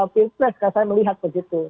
field press saya melihat begitu